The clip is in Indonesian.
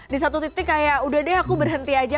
di satu titik kayak udah deh aku berhenti aja